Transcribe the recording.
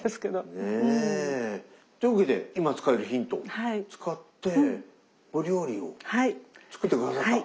ねえというわけで今使えるヒントを使ってお料理を作って下さった。